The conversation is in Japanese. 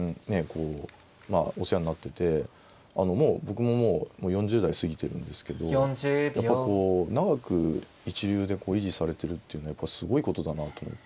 こうまあお世話になっててもう僕ももう４０代過ぎてるんですけどやっぱこう長く一流で維持されてるっていうのはやっぱりすごいことだなと思って。